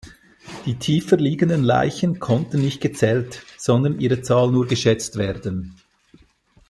Die tiefer liegenden Leichen konnten nicht gezählt, sondern ihre Zahl nur geschätzt werden.